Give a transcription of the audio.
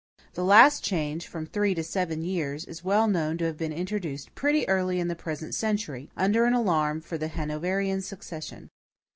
The last change, from three to seven years, is well known to have been introduced pretty early in the present century, under an alarm for the Hanoverian succession.